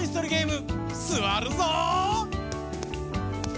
すわるぞう！